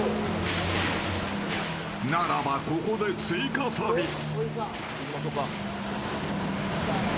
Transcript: ならば、ここで追加サービス。